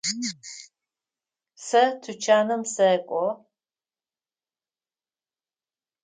Сэ тучаным сэкӏо.